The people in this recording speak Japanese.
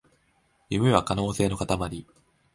夢は可能性のかたまり